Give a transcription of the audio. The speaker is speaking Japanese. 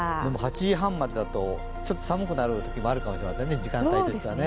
でも８時半までだと、ちょっと寒くなるときもあるかもしれませんね、時間帯によって。